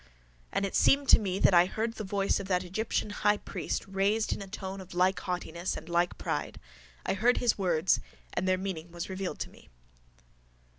_—And it seemed to me that I heard the voice of that Egyptian highpriest raised in a tone of like haughtiness and like pride. I heard his words and their meaning was revealed to me.